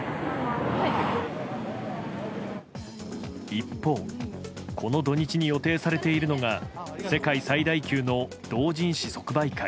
一方、この土日に予定されているのが世界最大級の同人誌即売会